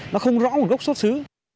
nó không rõ một gốc xuất xứ